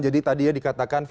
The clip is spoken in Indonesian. jadi tadi ya dikatakan fintech